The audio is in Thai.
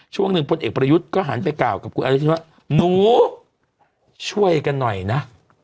ช่วงหนึ่งพลเอกประยุทธ์ก็หันไปกล่าวกับคุณอนุทินว่าหนูช่วยกันหน่อยนะ